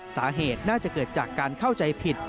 สาเหตุน่าจะเกิดจากการเข้าใจผิด